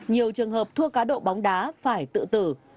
nhiều trường hợp thua cá độ bóng đá phải tự tử